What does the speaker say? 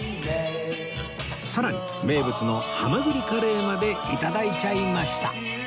さらに名物のはまぐりカレーまで頂いちゃいました